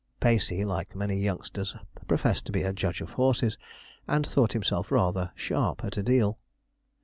Pacey, like many youngsters, professed to be a judge of horses, and thought himself rather sharp at a deal.